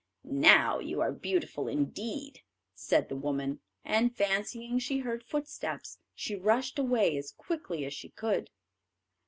"Now you are beautiful indeed," said the woman, and, fancying she heard footsteps, she rushed away as quickly as she could.